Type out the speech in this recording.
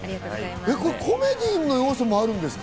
コメディーの要素もあるんですか？